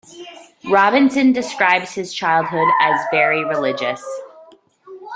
Robinson describes his childhood as very religious.